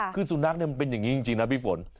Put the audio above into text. คือสุนัขมันเป็นอย่างนี้จริงนะพี่ฝน